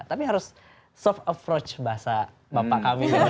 tapi harus soft approach bahasa bapak kami